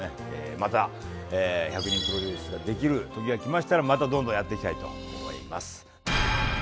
また１００人プロデュースができる時がきましたらまたどんどんやっていきたいと思います。